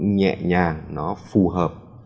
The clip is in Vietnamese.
nhẹ nhàng nó phù hợp